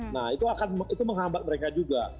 nah itu akan menghambat mereka juga